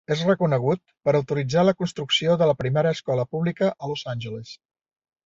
Es reconegut per autoritzar la construcció de la primera escola pública a Los Angeles.